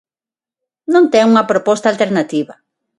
Non ten unha proposta alternativa.